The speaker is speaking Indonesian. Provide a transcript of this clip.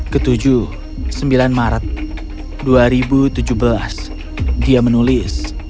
ketujuh sembilan maret dua ribu tujuh belas dia menulis